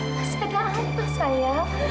masih ada apa sayang